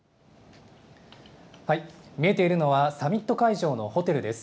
見えているのはサミット会場のホテルです。